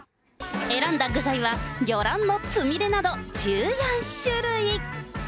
選んだ具材は、魚卵のつみれなど１４種類。